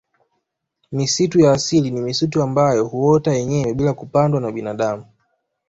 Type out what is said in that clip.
Misitu ya asili ni misitu ambayo huota yenyewe bila kupandwa na binadamu